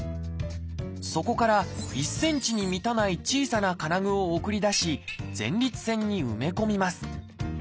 そこから１ｃｍに満たない小さな金具を送り出し前立腺に埋め込みます。